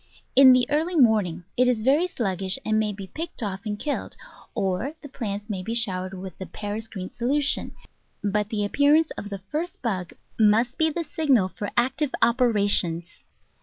In the early morning it is very sluggish, and may be picked off and killed, or the plants may be showered with the Paris green solution, but the appearance of the first bug must be the signal for active operations.